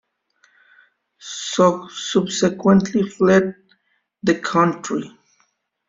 Zog subsequently fled the country.